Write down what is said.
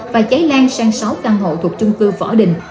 và cháy lan sang sáu căn hộ thuộc trung cư võ đình